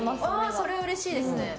それはうれしいですね。